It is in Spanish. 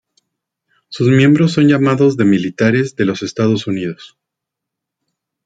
Sus miembros son llamados de militares de los Estados.